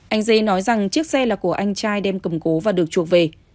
anh giấy nói rằng chiếc xe là của anh trai đem cầm cố và được chuộc về